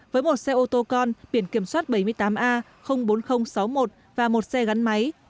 với một xe ô tô con biển kiểm soát bảy mươi tám a bốn nghìn sáu mươi một và một xe gắn máy